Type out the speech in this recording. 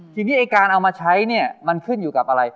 ทีนี้ไอ้การเอามาใช้เนี่ยมันขึ้นอยู่กับอะไร